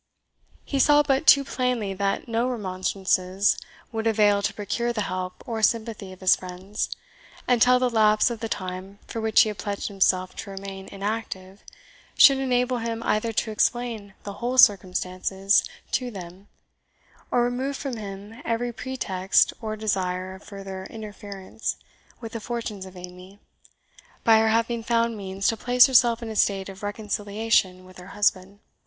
He saw but too plainly that no remonstrances would avail to procure the help or sympathy of his friends, until the lapse of the time for which he had pledged himself to remain inactive should enable him either to explain the whole circumstances to them, or remove from him every pretext or desire of further interference with the fortunes of Amy, by her having found means to place herself in a state of reconciliation with her husband.